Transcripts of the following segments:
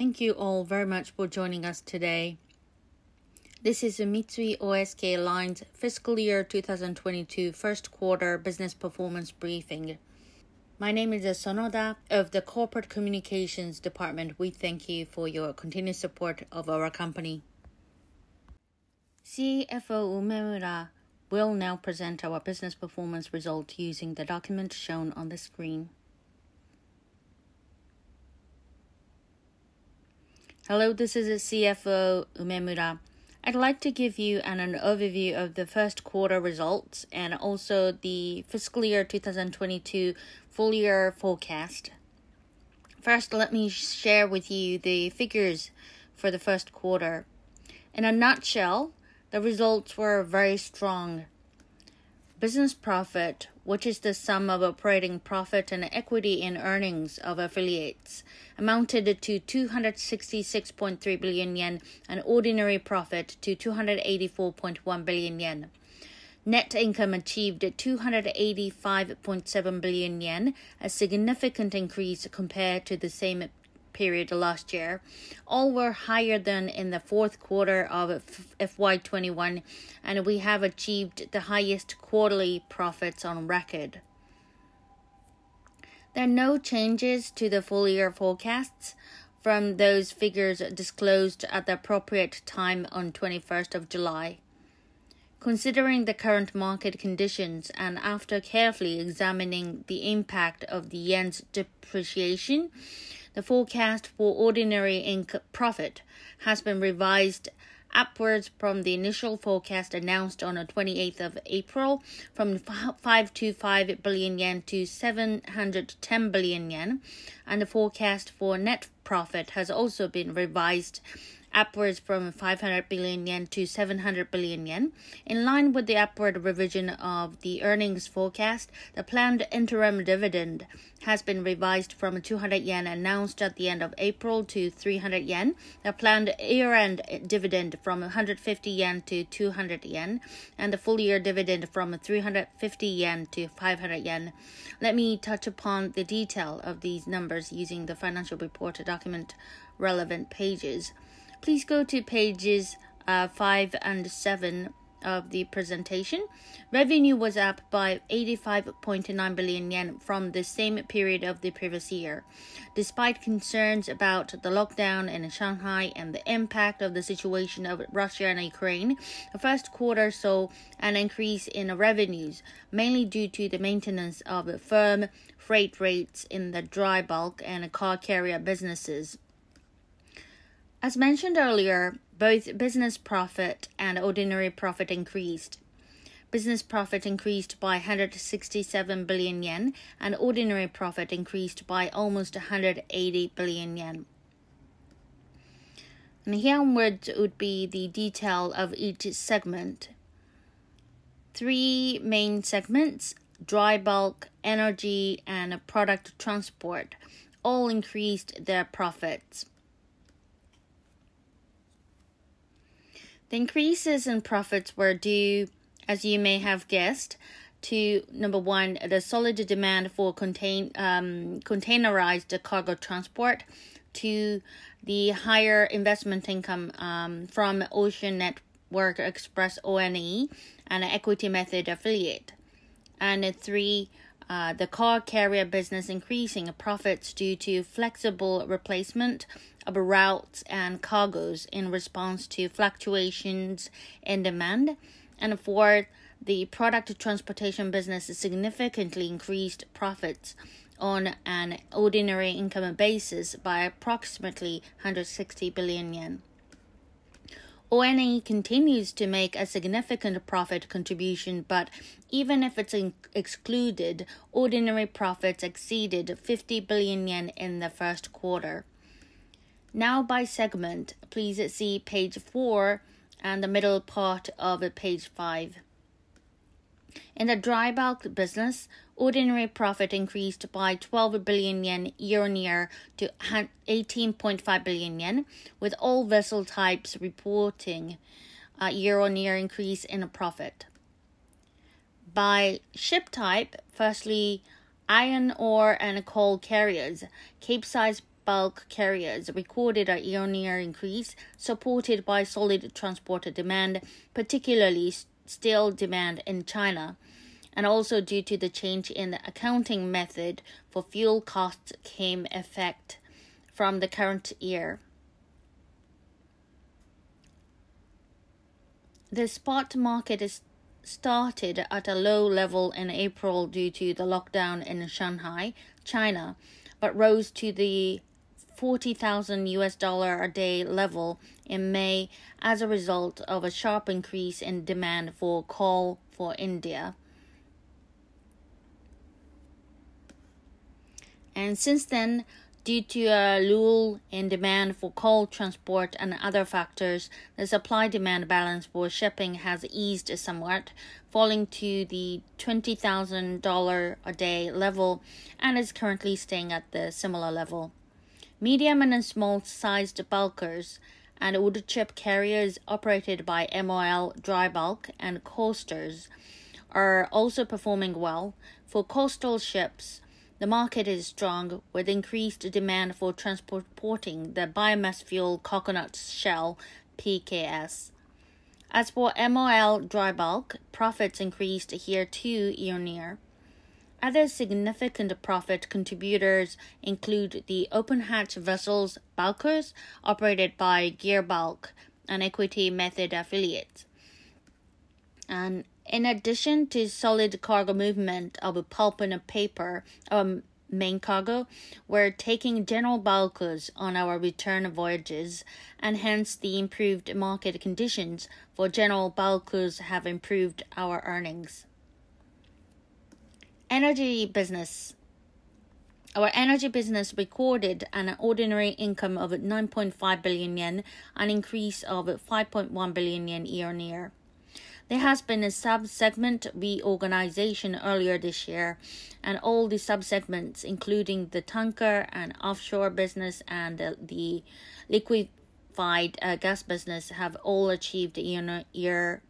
Thank you all very much for joining us today. This is the Mitsui O.S.K. Lines Fiscal Year 2022 first quarter business performance briefing. My name is Sonoda of the Corporate Communications Department. We thank you for your continued support of our company. CFO Umemura will now present our business performance results using the document shown on the screen. Hello, this is CFO Umemura. I'd like to give you an overview of the first quarter results and also the fiscal year 2022 full year forecast. First, let me share with you the figures for the first quarter. In a nutshell, the results were very strong. Business profit, which is the sum of operating profit and equity in earnings of affiliates, amounted to 266.3 billion yen and ordinary profit to 284.1 billion yen. Net income achieved 285.7 billion yen, a significant increase compared to the same period last year, all were higher than in the fourth quarter of FY 2021, and we have achieved the highest quarterly profits on record. There are no changes to the full year forecasts from those figures disclosed at the appropriate time on July 21st. Considering the current market conditions and after carefully examining the impact of the yen's depreciation, the forecast for ordinary profit has been revised upwards from the initial forecast announced on the 28th of April from 550 billion yen to 710 billion yen, and the forecast for net profit has also been revised upwards from 500 billion yen to 700 billion yen. In line with the upward revision of the earnings forecast, the planned interim dividend has been revised from 200 yen announced at the end of April to 300 yen. The planned year-end dividend from 150 yen to 200 yen, and the full year dividend from 350 yen to 500 yen. Let me touch upon the detail of these numbers using the financial report document relevant pages. Please go to pages five and seven of the presentation. Revenue was up by 85.9 billion yen from the same period of the previous year. Despite concerns about the lockdown in Shanghai and the impact of the situation of Russia and Ukraine, the first quarter saw an increase in revenues, mainly due to the maintenance of firm freight rates in the Dry Bulk and Car Carrier businesses. As mentioned earlier, both business profit and ordinary profit increased. Business profit increased by 167 billion yen and ordinary profit increased by almost 180 billion yen. Here onwards would be the detail of each segment. Three main segments, Dry Bulk, Energy and Product Transport, all increased their profits. The increases in profits were due, as you may have guessed, to number one, the solid demand for containerized cargo transport, two, the higher investment income from Ocean Network Express, ONE, an equity method affiliate. Three, the Car Carrier business increasing profits due to flexible replacement of routes and cargoes in response to fluctuations in demand. Four, the Product Transportation business significantly increased profits on an ordinary income basis by approximately 160 billion yen. ONE continues to make a significant profit contribution, but even if it's excluded, ordinary profits exceeded 50 billion yen in the first quarter. Now by segment, please see page four and the middle part of page five. In the Dry Bulk business, ordinary profit increased by 12 billion yen year-on-year to 18.5 billion yen, with all vessel types reporting a year-on-year increase in a profit. By ship type, firstly, iron ore and coal carriers, Capesize bulk carriers recorded a year-on-year increase supported by solid transport demand, particularly steel demand in China, and also due to the change in the accounting method for fuel costs came into effect from the current year. The spot market started at a low level in April due to the lockdown in Shanghai, China, but rose to the $40,000 a day level in May as a result of a sharp increase in demand for coal for India. Since then, due to a lull in demand for coal transport and other factors, the supply-demand balance for shipping has eased somewhat, falling to the $20,000 a day level and is currently staying at a similar level. Medium and small sized bulkers and wood chip carriers operated by MOL Drybulk and coasters are also performing well. For coastal ships, the market is strong with increased demand for transporting the biomass fuel coconut shell, PKS. As for MOL Drybulk, profits increased here too year-over-year. Other significant profit contributors include the open hatch vessels bulkers operated by Gearbulk, an equity method affiliate. In addition to solid cargo movement of pulp and paper, main cargo, we're taking general bulkers on our return voyages and hence the improved market conditions for general bulkers have improved our earnings. Energy business. Our energy business recorded an ordinary income of 9.5 billion yen, an increase of 5.1 billion yen year-on-year. There has been a sub-segment reorganization earlier this year and all the sub-segments, including the tanker and offshore business and the liquefied gas business have all achieved year-on-year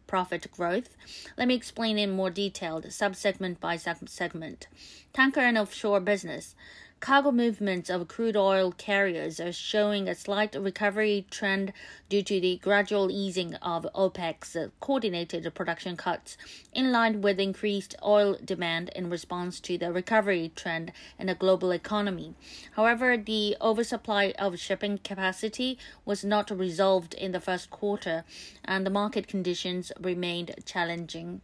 profit growth. Let me explain in more detail, sub-segment by sub-segment. Tanker and offshore business. Cargo movements of crude oil carriers are showing a slight recovery trend due to the gradual easing of OPEC's coordinated production cuts in line with increased oil demand in response to the recovery trend in the global economy. However, the oversupply of shipping capacity was not resolved in the first quarter and the market conditions remained challenging.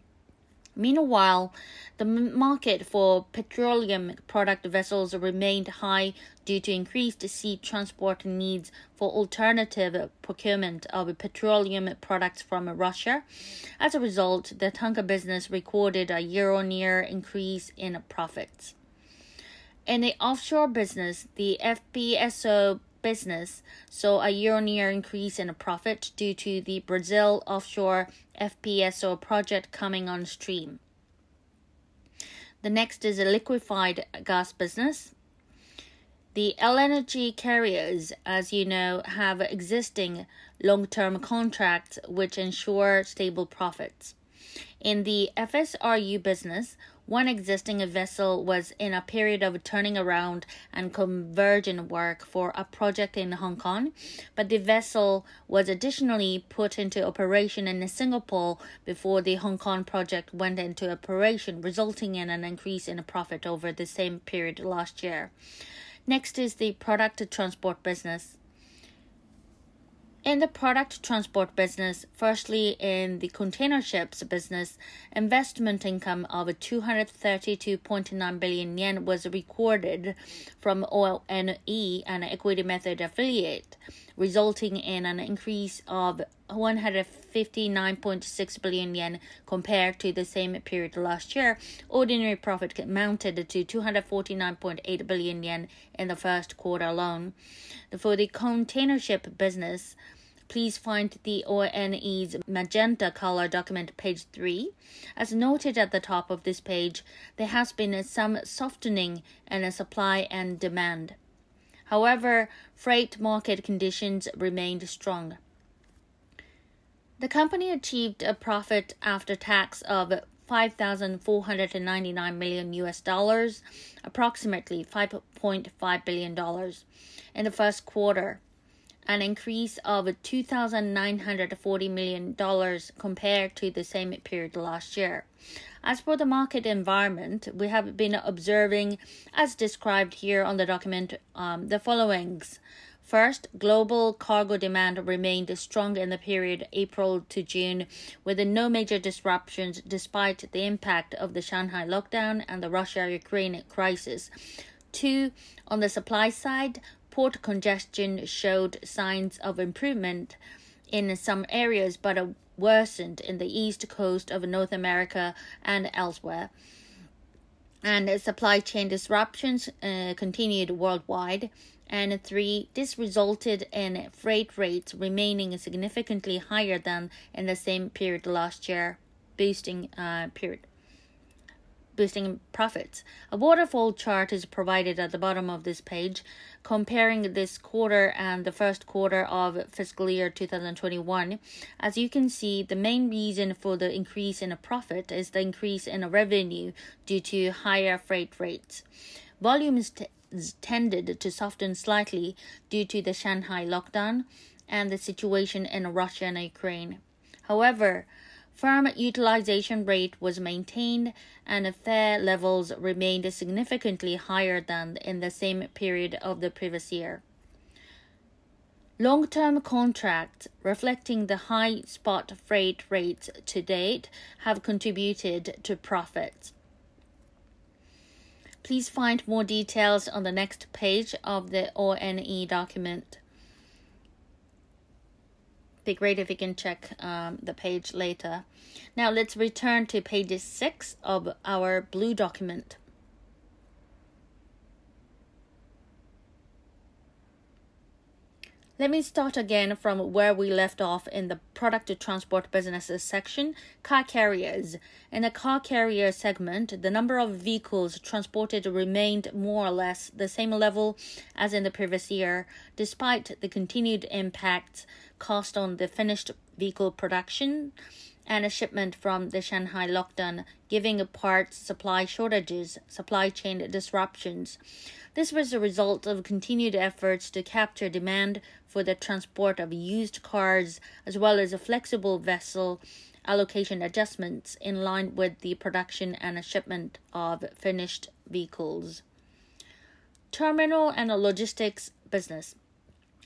Meanwhile, the market for petroleum product vessels remained high due to increased sea transport needs for alternative procurement of petroleum products from Russia. As a result, the tanker business recorded a year-on-year increase in profits. In the offshore business, the FPSO business saw a year-on-year increase in profit due to the Brazil offshore FPSO project coming on stream. The next is a liquefied gas business. The LNG carriers, as you know, have existing long-term contracts which ensure stable profits. In the FSRU business, one existing vessel was in a period of turning around and conversion work for a project in Hong Kong, but the vessel was additionally put into operation in Singapore before the Hong Kong project went into operation, resulting in an increase in profit over the same period last year. Next is the Product Transport business. In the Product Transport business, firstly, in the container ships business, investment income of 232.9 billion yen was recorded from ONE, an equity method affiliate, resulting in an increase of 159.6 billion yen compared to the same period last year. Ordinary profit amounted to 249.8 billion yen in the first quarter alone. For the container ship business, please find the ONE's magenta color document, page three. As noted at the top of this page, there has been some softening in the supply and demand. However, freight market conditions remained strong. The company achieved a profit after tax of $5,499 million, approximately $5.5 billion in the first quarter, an increase of $2,940 million compared to the same period last year. As for the market environment, we have been observing, as described here on the document, the followings. First, global cargo demand remained strong in the period April to June, with no major disruptions despite the impact of the Shanghai lockdown and the Russia-Ukraine crisis. Two, on the supply side, port congestion showed signs of improvement in some areas, but worsened in the east coast of North America and elsewhere. Supply chain disruptions continued worldwide. Three, this resulted in freight rates remaining significantly higher than in the same period last year, boosting profits. A waterfall chart is provided at the bottom of this page comparing this quarter and the first quarter of fiscal year 2021. As you can see, the main reason for the increase in a profit is the increase in revenue due to higher freight rates. Volumes tended to soften slightly due to the Shanghai lockdown and the situation in Russia and Ukraine. However, firm utilization rate was maintained and freight levels remained significantly higher than in the same period of the previous year. Long-term contracts reflecting the high spot freight rates to date have contributed to profits. Please find more details on the next page of the ONE document. Be great if you can check the page later. Now let's return to page six of our blue document. Let me start again from where we left off in the Product Transport businesses section, Car Carriers. In the Car Carrier segment, the number of vehicles transported remained more or less the same level as in the previous year, despite the continued impact of COVID on the finished vehicle production and shipment from the Shanghai lockdown, giving parts supply shortages, supply chain disruptions. This was a result of continued efforts to capture demand for the transport of used cars, as well as flexible vessel allocation adjustments in line with the production and shipment of finished vehicles. Terminal and logistics business.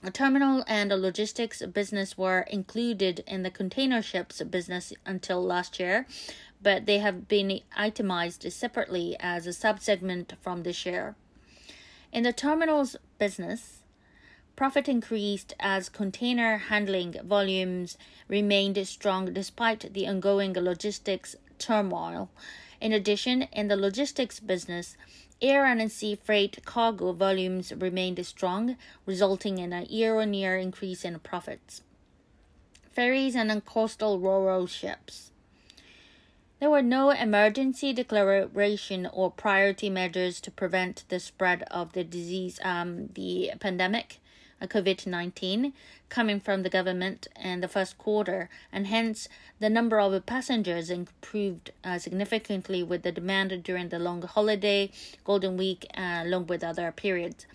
The terminal and logistics business were included in the container ships business until last year, but they have been itemized separately as a sub-segment from this year. In the terminals business, profit increased as container handling volumes remained strong despite the ongoing logistics turmoil. In addition, in the logistics business, air and sea freight cargo volumes remained strong, resulting in a year-on-year increase in profits. Ferries and in coastal RoRo ships. There were no emergency declaration or priority measures to prevent the spread of the disease, the pandemic, COVID-19, coming from the government in the first quarter. Hence, the number of passengers improved significantly with the demand during the long holiday, Golden Week, along with other periods.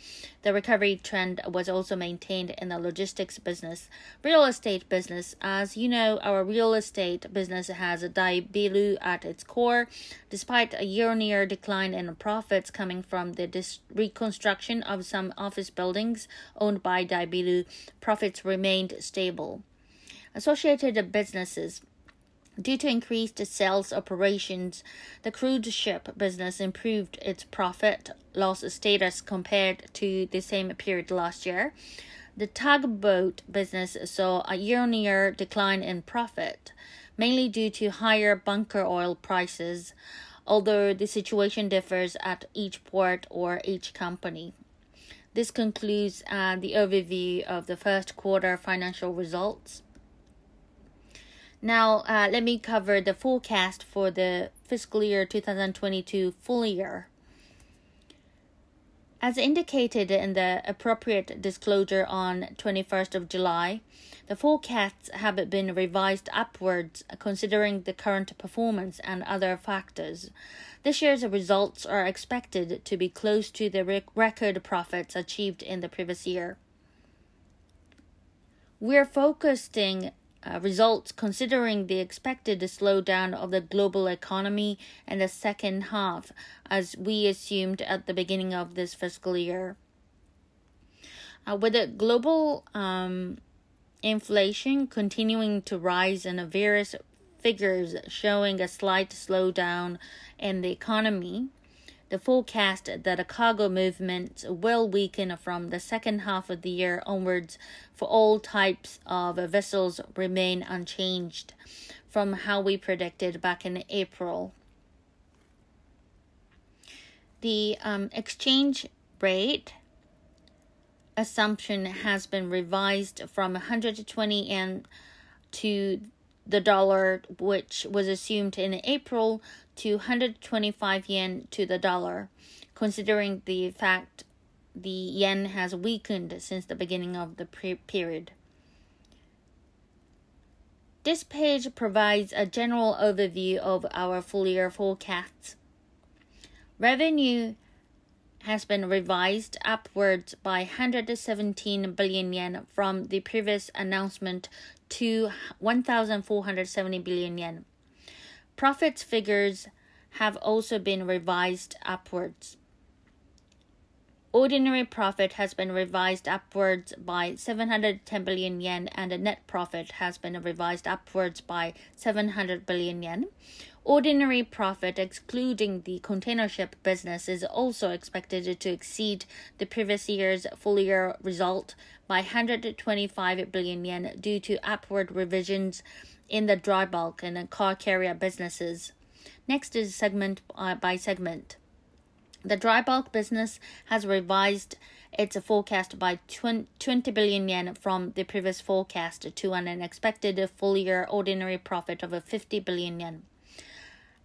The recovery trend was also maintained in the logistics business. Real estate business. As you know, our real estate business has a Daibiru at its core. Despite a year-on-year decline in profits coming from the reconstruction of some office buildings owned by Daibiru, profits remained stable. Associated businesses. Due to increased sales operations, the cruise ship business improved its profit loss status compared to the same period last year. The tugboat business saw a year-on-year decline in profit, mainly due to higher bunker oil prices, although the situation differs at each port or each company. This concludes the overview of the first quarter financial results. Now let me cover the forecast for the fiscal year 2022 full year. As indicated in the appropriate disclosure on twenty-first of July, the forecasts have been revised upwards, considering the current performance and other factors. This year's results are expected to be close to the record profits achieved in the previous year. We're focusing results considering the expected slowdown of the global economy in the second half, as we assumed at the beginning of this fiscal year. With the global inflation continuing to rise and various figures showing a slight slowdown in the economy, the forecast that a cargo movement will weaken from the second half of the year onwards for all types of vessels remain unchanged from how we predicted back in April. The exchange rate assumption has been revised from 120 to the dollar, which was assumed in April to 125 yen to the dollar, considering the fact the yen has weakened since the beginning of the pre-period. This page provides a general overview of our full year forecasts. Revenue has been revised upwards by 117 billion yen from the previous announcement to 1,470 billion yen. Profit figures have also been revised upwards. Ordinary profit has been revised upwards by 710 billion yen, and a net profit has been revised upwards by 700 billion yen. Ordinary profit, excluding the container ship business, is also expected to exceed the previous year's full year result by 125 billion yen due to upward revisions in the Dry Bulk and Car Carrier businesses. Next is segment by segment. The Dry Bulk business has revised its forecast by 20 billion yen from the previous forecast to an expected full year ordinary profit of 50 billion yen.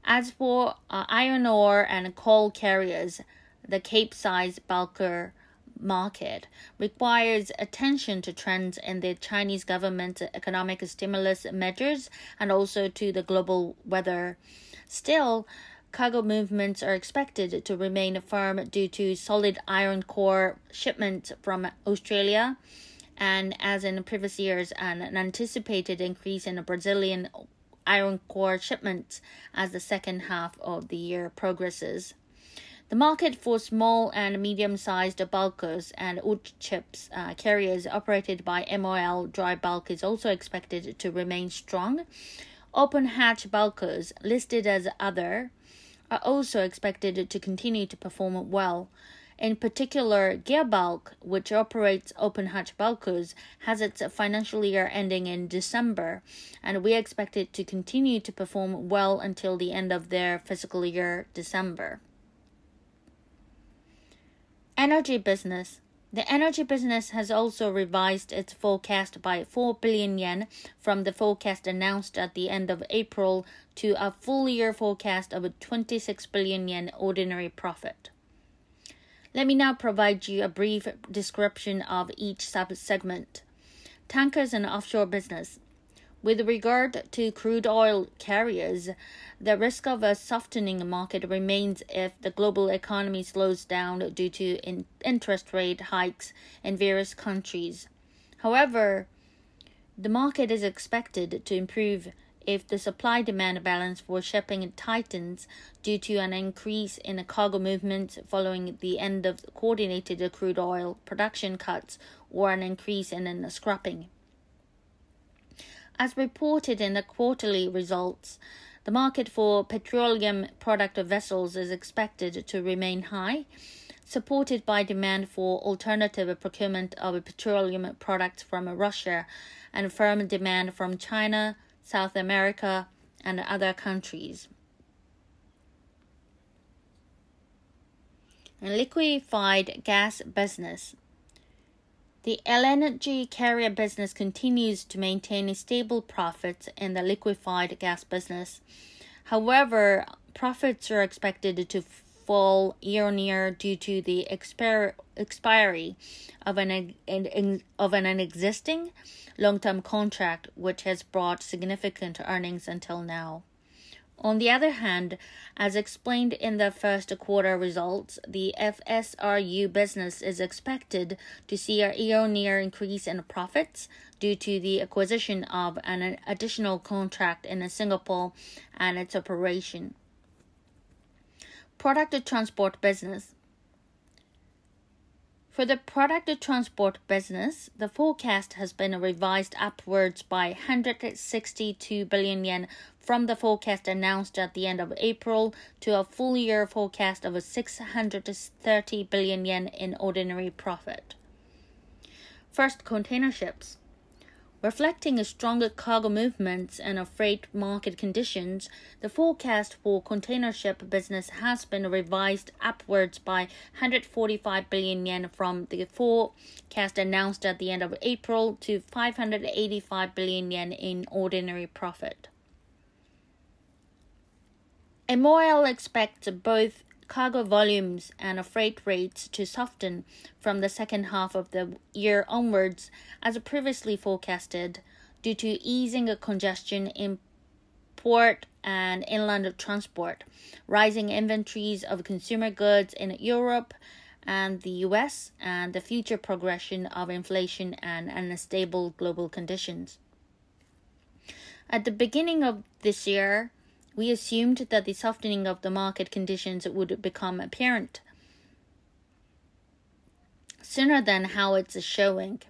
As for iron ore and coal carriers, the Capesize bulker market requires attention to trends in the Chinese government economic stimulus measures and also to the global weather. Still, cargo movements are expected to remain firm due to solid iron ore shipment from Australia, and as in previous years, an anticipated increase in Brazilian iron ore shipments as the second half of the year progresses. The market for small and medium-sized bulkers and wood chips carriers operated by MOL Drybulk is also expected to remain strong. Open hatch bulkers, listed as other, are also expected to continue to perform well. In particular, Gearbulk, which operates open hatch bulkers, has its financial year ending in December, and we expect it to continue to perform well until the end of their fiscal year, December. Energy business. The energy business has also revised its forecast by 4 billion yen from the forecast announced at the end of April to a full year forecast of a 26 billion yen ordinary profit. Let me now provide you a brief description of each sub-segment. Tankers and offshore business. With regard to crude oil carriers, the risk of a softening market remains if the global economy slows down due to interest rate hikes in various countries. However, the market is expected to improve if the supply-demand balance for shipping tightens due to an increase in cargo movement following the end of coordinated crude oil production cuts or an increase in the scrapping. As reported in the quarterly results, the market for petroleum product vessels is expected to remain high, supported by demand for alternative procurement of petroleum products from Russia and firm demand from China, South America, and other countries. Liquefied gas business. The energy carrier business continues to maintain stable profits in the liquefied gas business. However, profits are expected to fall year-on-year due to the expiry of an existing long-term contract, which has brought significant earnings until now. On the other hand, as explained in the first quarter results, the FSRU business is expected to see a year-on-year increase in profits due to the acquisition of an additional contract in Singapore and its operation. Product Transport business. For the Product Transport business, the forecast has been revised upwards by 162 billion yen from the forecast announced at the end of April to a full year forecast of 630 billion yen in ordinary profit. First, container ships. Reflecting stronger cargo movements and freight market conditions, the forecast for container ship business has been revised upwards by 145 billion yen from the forecast announced at the end of April to 585 billion yen in ordinary profit. MOL expects both cargo volumes and freight rates to soften from the second half of the year onwards, as previously forecasted due to easing congestion in port and inland transport, rising inventories of consumer goods in Europe and the U.S., and the future progression of inflation and unstable global conditions. At the beginning of this year, we assumed that the softening of the market conditions would become apparent sooner than how it's showing.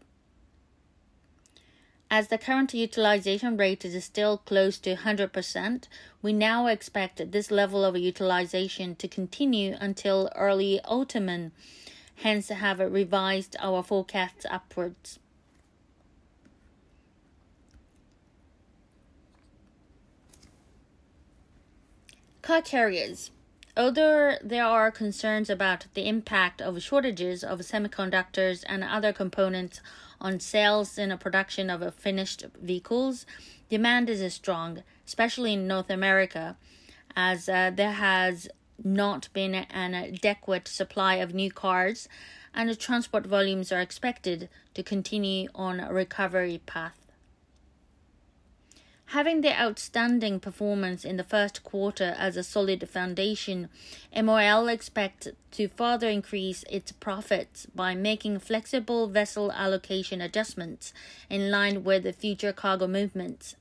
As the current utilization rate is still close to 100%, we now expect this level of utilization to continue until early autumn and hence have revised our forecasts upwards. Car Carriers. Although there are concerns about the impact of shortages of semiconductors and other components on sales and production of finished vehicles, demand is strong, especially in North America, as there has not been an adequate supply of new cars, and transport volumes are expected to continue on a recovery path. Having the outstanding performance in the first quarter as a solid foundation, MOL expects to further increase its profits by making flexible vessel allocation adjustments in line with the future cargo movements.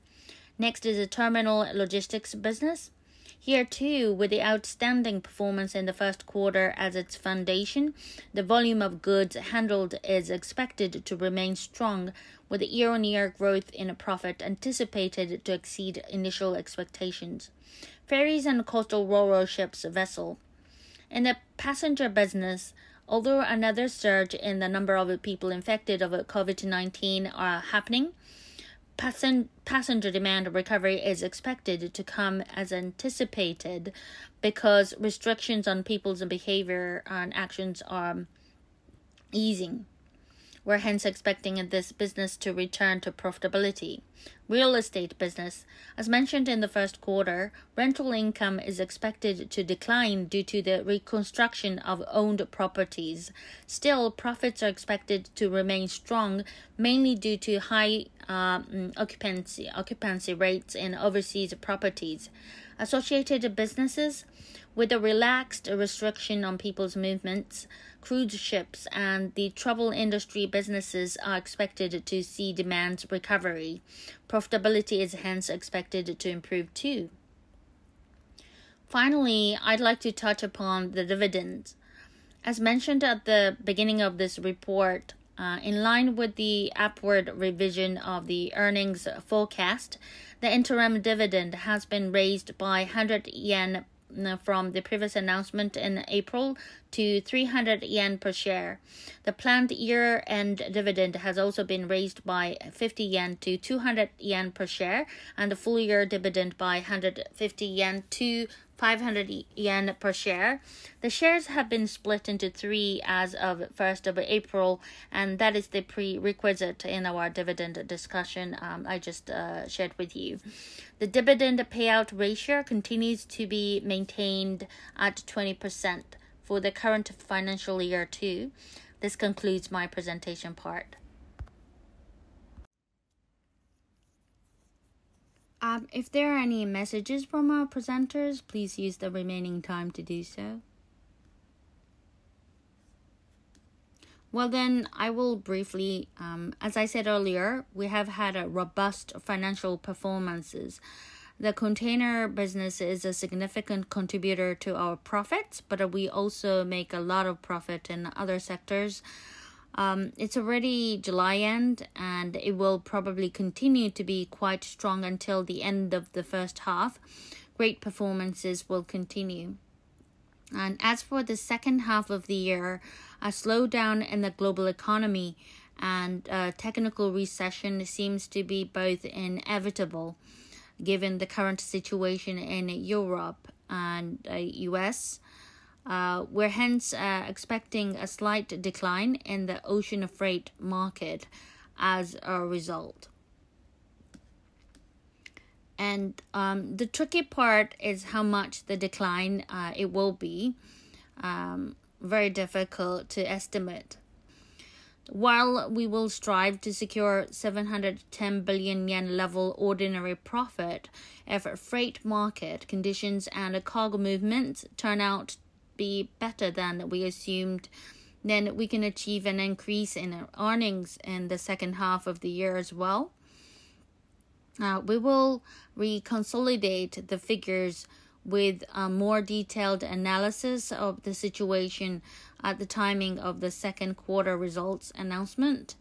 Next is a terminal logistics business. Here too, with the outstanding performance in the first quarter as its foundation, the volume of goods handled is expected to remain strong with year-on-year growth in profit anticipated to exceed initial expectations. Ferries and coastal Ro-Ro ships vessel. In the passenger business, although another surge in the number of people infected of COVID-19 are happening, passenger demand recovery is expected to come as anticipated because restrictions on people's behavior and actions are easing. We're hence expecting this business to return to profitability. Real estate business. As mentioned in the first quarter, rental income is expected to decline due to the reconstruction of owned properties. Still, profits are expected to remain strong, mainly due to high occupancy rates in overseas properties. Associated businesses. With a relaxed restriction on people's movements, cruise ships and the travel industry businesses are expected to see demand recovery. Profitability is hence expected to improve too. Finally, I'd like to touch upon the dividends. As mentioned at the beginning of this report, in line with the upward revision of the earnings forecast, the interim dividend has been raised by 100 yen from the previous announcement in April to 300 yen per share. The planned year-end dividend has also been raised by 50 yen to 200 yen per share, and the full year dividend by 150 yen to 500 yen per share. The shares have been split into three as of first of April, and that is the prerequisite in our dividend discussion, I just shared with you. The dividend payout ratio continues to be maintained at 20% for the current financial year too. This concludes my presentation part. If there are any messages from our presenters, please use the remaining time to do so. Well then, I will briefly. As I said earlier, we have had a robust financial performances. The container business is a significant contributor to our profits, but we also make a lot of profit in other sectors. It's already July end, and it will probably continue to be quite strong until the end of the first half. Great performances will continue. As for the second half of the year, a slowdown in the global economy and technical recession seems to be both inevitable given the current situation in Europe and U.S. We're hence expecting a slight decline in the ocean freight market as a result. The tricky part is how much the decline it will be, very difficult to estimate. While we will strive to secure 710 billion yen level ordinary profit, if freight market conditions and cargo movements turn out to be better than we assumed, then we can achieve an increase in earnings in the second half of the year as well. We will reconsolidate the figures with a more detailed analysis of the situation at the timing of the second quarter results announcement.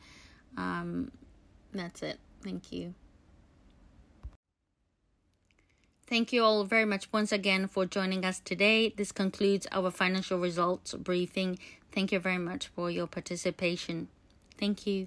That's it. Thank you. Thank you all very much once again for joining us today. This concludes our financial results briefing. Thank you very much for your participation. Thank you.